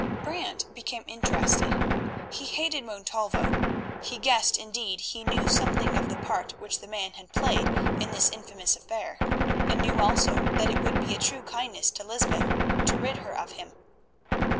Brant became interested. He hated Montalvo; he guessed, indeed he knew something of the part which the man had played in this infamous affair, and knew also that it would be a true kindness to Lysbeth to rid her of him.